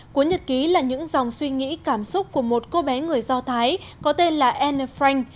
cuốn nhật ký là những dòng suy nghĩ cảm xúc của một cô bé người do thái có tên là anne frank